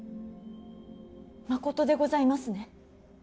まことでございますね。